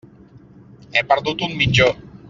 He perdut un mitjó.